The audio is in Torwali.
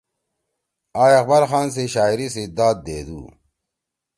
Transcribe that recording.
آ اقبال خان سی شاعری سی داد دیدُو۔